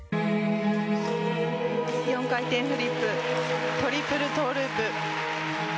４回転フリップトリプルトウループ。